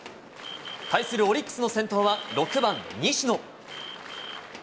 対するオリックスの先頭は、６番西野。